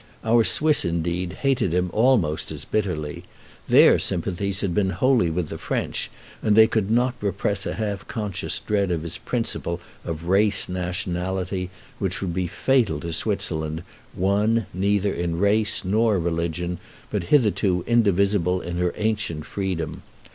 Our Swiss, indeed, hated him almost as bitterly. Their sympathies had been wholly with the French, and they could not repress a half conscious dread of his principle of race nationality, which would be fatal to Switzerland, one neither in race nor religion, but hitherto indivisible in her ancient freedom.